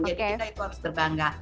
jadi kita itu harus berbangga